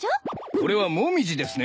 これはモミジですね。